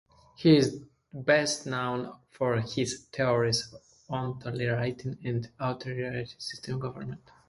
He is best known for his theories on totalitarian and authoritarian systems of government.